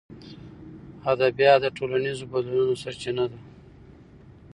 ادبیات د ټولنیزو بدلونونو سرچینه ده.